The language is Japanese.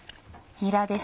にらです。